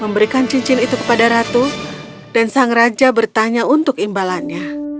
memberikan cincin itu kepada ratu dan sang raja bertanya untuk imbalannya